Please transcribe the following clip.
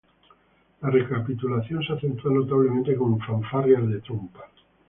La recapitulación se acentúa notablemente con fanfarrias de trompa.